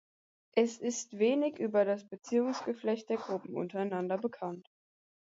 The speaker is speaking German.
Es ist wenig über das Beziehungsgeflecht der Gruppen untereinander bekannt.